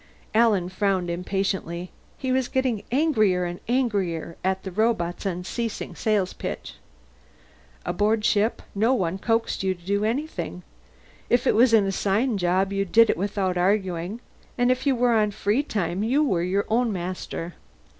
Alan frowned impatiently. He was getting angrier and angrier at the robot's unceasing sales pitch. Aboard ship, no one coaxed you to do anything; if it was an assigned job, you did it without arguing, and if you were on free time you were your own master.